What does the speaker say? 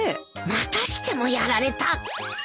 またしてもやられた！